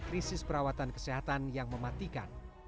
krisis perawatan kesehatan yang mematikan